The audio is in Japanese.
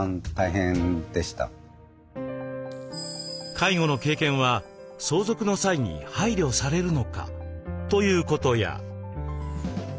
介護の経験は相続の際に配慮されるのか？ということや。